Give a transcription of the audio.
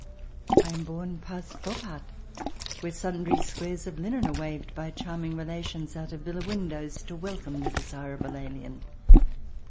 I am borne past Boppard, where sundry squares of linen are waved by charm ing relations out of villa windows to welcome the desirable alien.